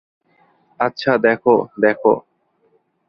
আচ্ছা, দ্যাখো, দ্যাখো।